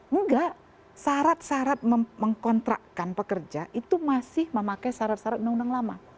enggak syarat syarat mengkontrakkan pekerja itu masih memakai syarat syarat undang undang lama